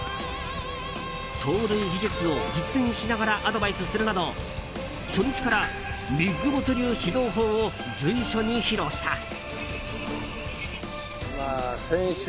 走塁技術を実演しながらアドバイスするなど初日からビッグボス流指導法を随所に披露した。